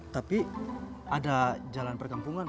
tapi ada jalan pergampungan